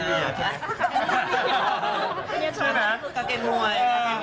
ใช่ไหมกางเกงมวย